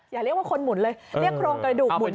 อย่าเรียกว่าคนหมุนเลยเรียกโครงกระดูกหมุน